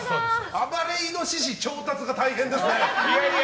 暴れイノシシ調達が大変ですね。